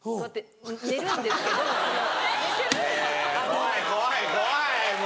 怖い怖い怖いもう。